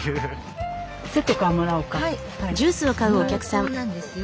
濃厚なんですよ。